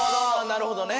なるほどね。